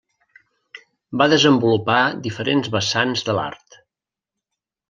Va desenvolupar diferents vessants de l'art.